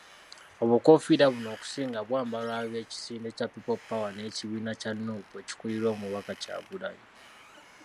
Obukoofiira buno okusinga bwambalwa ab'ekisinde kya People Power n'ekibiina kya Nuupu ekikulirwa Omubaka Kyagulanyi.